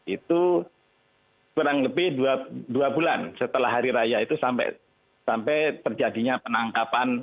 itu kurang lebih dua bulan setelah hari raya itu sampai terjadinya penangkapan